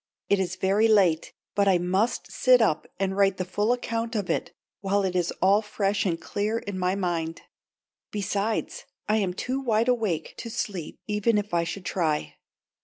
It is very late, but I must sit up and write the full account of it while it is all fresh and clear in my mind. Besides I am too wide awake to sleep even if I should try.